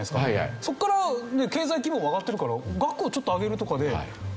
そこからね経済規模も上がってるから額をちょっと上げるとかで補填できないのかな？